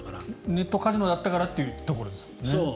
ネットカジノだったからというところですもんね。